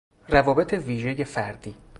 روابط ویژهی فردی